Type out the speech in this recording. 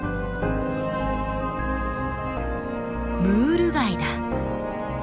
ムール貝だ。